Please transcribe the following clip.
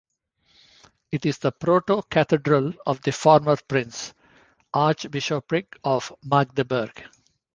It is the proto-cathedral of the former Prince-Archbishopric of Magdeburg.